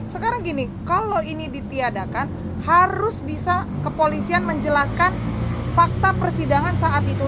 sekarang gini kalau ini ditiadakan harus bisa kepolisian menjelaskan fakta persidangan saat itu